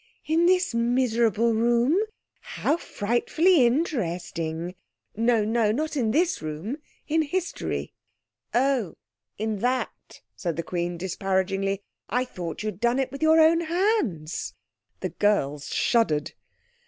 "In this miserable room? How frightfully interesting." "No, no, not in this room; in history." "Oh, in that," said the Queen disparagingly. "I thought you'd done it with your own hands." The girls shuddered.